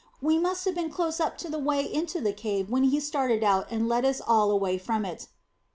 We must have been close up to the way into the cave when he started out and led us all away from it."